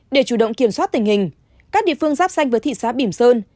để chủ động kiểm soát tình hình các địa phương giáp xanh với thị xã bỉm sơn